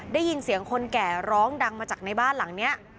ได้ยินเสียงคนแก่ร้องดังมาจากในบ้านหลังนี้